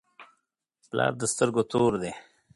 پلار د سترګو تور دی.